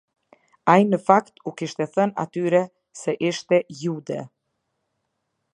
Ai në fakt u kishte thënë atyre së ishte jude.